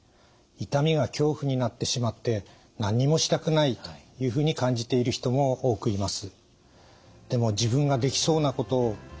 痛みが恐怖になってしまって何にもしたくないというふうに感じている人も多くいます。